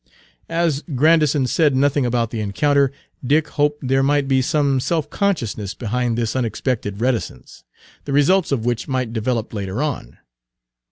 As Grandison said nothing about the encounter, Dick hoped there might be some self consciousness behind this unexpected reticence, the results of which might develop later on.